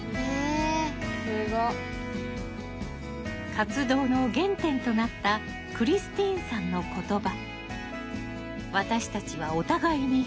活動の原点となったクリスティーンさんの言葉。